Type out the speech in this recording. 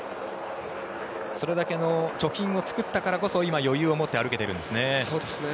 それだけの貯金を作ったからこそ今、余裕を持って歩けているんですね。